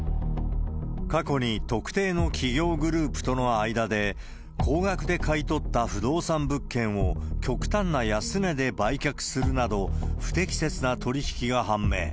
過去に特定の企業グループとの間で、高額で買い取った不動産物件を極端な安値で売却するなど、不適切な取り引きが判明。